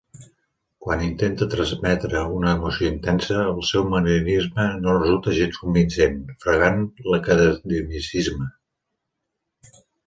Quan intenta transmetre una emoció intensa, el seu manierisme no resulta gens convincent, fregant l'academicisme.